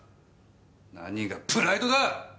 何がプライドだ！！